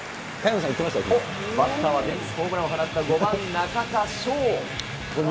バッターは前日にホームランを放った５番中田翔。